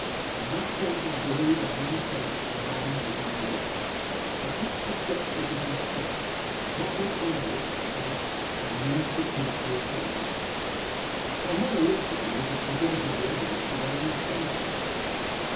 On that point I believe I may say that my mind is made up." I touched the sketch book as I spoke. "Come what may of it," I said, "I mean to keep the appointment." My mother looked at me as if she doubted the evidence of her own senses.